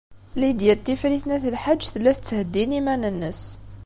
Lidya n Tifrit n At Lḥaǧ tella tettheddin iman-nnes.